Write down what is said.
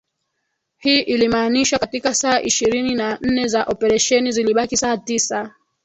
Hii ilimaanisha katika saa ishirini na nne za operesheni zilibaki saa tisa